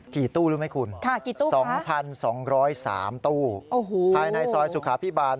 ถี่ตู้รู้ไหมคุณสองพันสองร้อยสามตู้ภายในซอยสุขาพิบาล